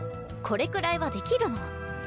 これくらいはできるの。